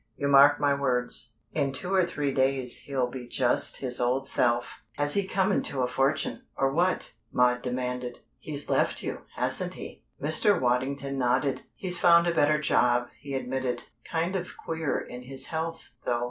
You mark my words, in two or three days he'll be just his old self." "Has he come into a fortune, or what?" Maud demanded. "He's left you, hasn't he?" Mr. Waddington nodded. "He's found a better job," he admitted. "Kind of queer in his health, though.